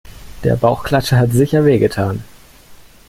Der Bauchklatscher hat sicher wehgetan.